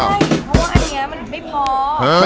ไม่เพราะว่าอันเนี้ยมันไม่พอเพราะทำไมคะ